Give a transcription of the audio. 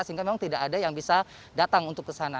sehingga memang tidak ada yang bisa datang untuk kesana